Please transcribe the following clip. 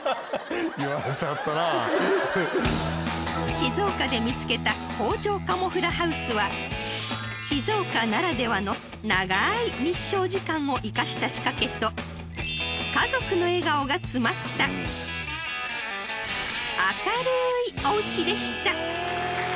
［静岡で見つけた工場カモフラハウスは静岡ならではの長い日照時間を生かした仕掛けと家族の笑顔が詰まった明るいおうちでした］